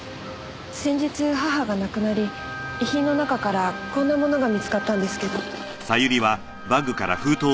先日母が亡くなり遺品の中からこんな物が見つかったんですけど。